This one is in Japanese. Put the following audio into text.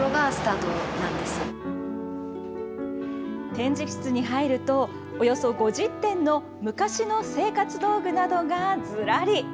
展示室に入るとおよそ５０点の昔の生活道具などがずらり。